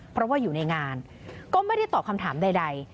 เพราะว่าอยู่ในงานก็ไม่ได้ตอบคำถามใด